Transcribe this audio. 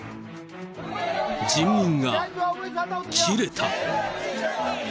人民が切れた。